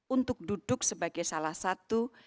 untuk duduk sebagai salah satu